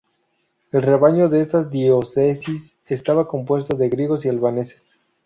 El rebaño de esta diócesis estaba compuesta de griegos y albaneses.